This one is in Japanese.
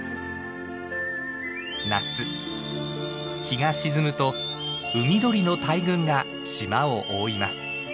夏日が沈むと海鳥の大群が島を覆います。